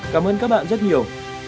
cảm ơn các bạn rất nhiều